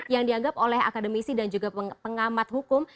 yang dianggap oleh akademisi dan juga pengamat hukum